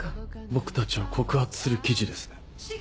僕たちを告発する記事ですね。